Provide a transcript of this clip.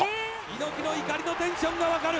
猪木の怒りのテンションがわかる。